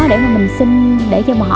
để mà mình xin để cho họ